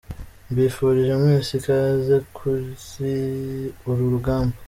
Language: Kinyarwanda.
Mbifurije mwese ikaze kuri uru rugamba.